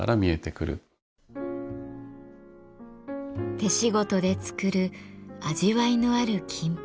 手仕事で作る味わいのある金粉。